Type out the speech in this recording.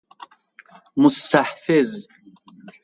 مستحفظ